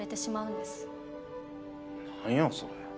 何やそれ！